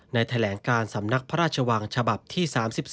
แถลงการสำนักพระราชวังฉบับที่๓๒